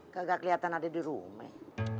gak keliatan ada di rumah